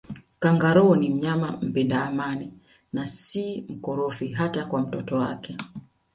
Kangaroo ni mnyama mpenda amani na si mkorofi hata kwa mtoto wake